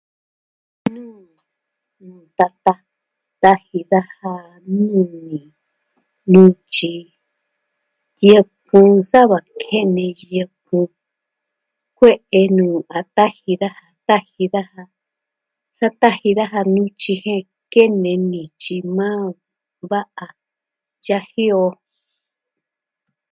Nuu tata taji daja nuni, nutyi, yeku sava kene yekun. Kue'e nuu a taji daja, taji daja.. sa taji daja nutyi kene nityi maa o Va'a yaji o.